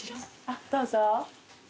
どうぞ。